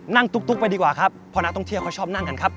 ตุ๊กไปดีกว่าครับเพราะนักท่องเที่ยวเขาชอบนั่งกันครับ